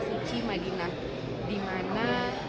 suci madinah dimana